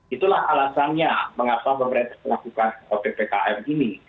itulah alasannya mengapa pemerintah melakukan ppkm ini